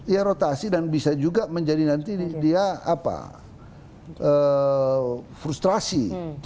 ya rotasi dan bisa juga menjadi nanti dia frustrasi